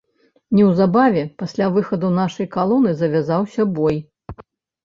Неўзабаве пасля выхаду нашай калоны завязаўся бой.